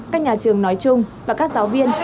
các nhà trường nói chung và các giáo viên